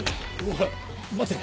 おい待て。